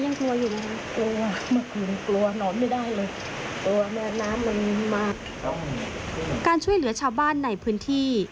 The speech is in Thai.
เยอะมากเลยบอกไม่ถูกเลย